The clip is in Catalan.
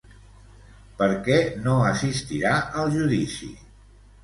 Per què no assistirà al judici?